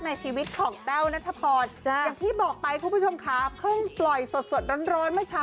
อยากให้เธออยู่กับฉันทั้งวันทั้งคืนยังดีได้ไหม